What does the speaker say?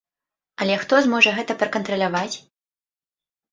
Але хто зможа гэта пракантраляваць?